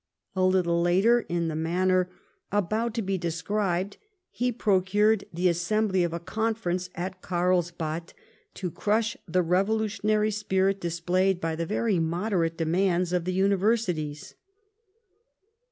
A little later, in the manner about to be described, he procured the assembly of a Conference at Carlsbad to crush the revolutionary spirit displayed by the very moderate demands of the Universities.